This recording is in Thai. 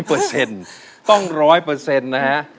เปอร์เซ็นต์ต้องรอยเปอร์เซ็นต์นะฮะ